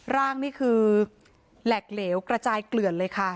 ร่างนี่คือแหลกเหลวกระจายเกลือด